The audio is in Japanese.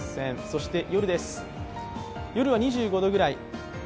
そして夜は２５度くらい。